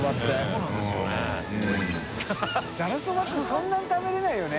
そんなに食べれないよね。